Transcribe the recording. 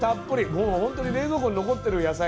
もう本当に冷蔵庫に残ってる野菜